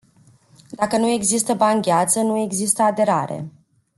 Dacă nu există bani gheață, nu există aderare.